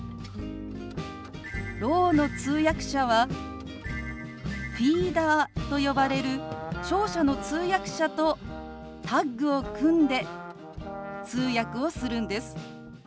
ろうの通訳者はフィーダーと呼ばれる聴者の通訳者とタッグを組んで通訳をするんです。